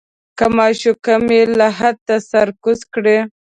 که معشوق مې لحد ته سر کوز کړي.